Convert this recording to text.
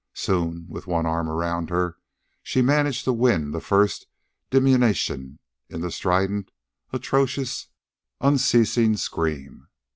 Soon, with one arm around her, she managed to win the first diminution in the strident, atrocious, unceasing scream.